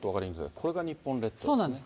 これが日本列島ですね。